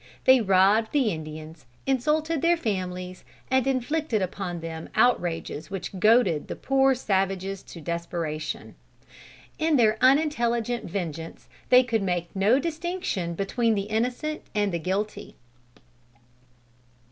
They robbed the Indians, insulted their families, and inflicted upon them outrages which goaded the poor savages to desperation. In their unintelligent vengeance they could make no distinction between the innocent and the guilty.